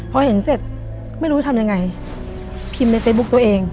พอเห็นเสร็จไม่รู้ทำยังไงพิมพ์ในเฟซบุ๊คตัวเอง